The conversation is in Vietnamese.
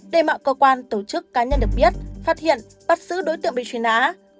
để mọi cơ quan tổ chức cá nhân được biết phát hiện bắt giữ đối tượng bị trùy ná